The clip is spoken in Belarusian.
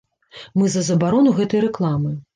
Мы за забарону гэтай рэкламы.